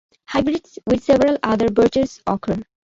Hybrids with several other birches occur.